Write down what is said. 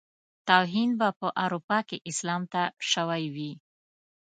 توهين به په اروپا کې اسلام ته شوی وي.